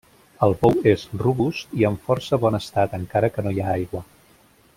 El pou és robust i en força bon estat, encara que no hi ha aigua.